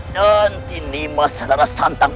nanti nimas rara santang